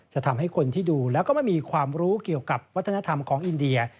ทำให้คนที่ดูแล้วก็ไม่มีความรู้เกี่ยวกับวัฒนธรรมของอินเดีย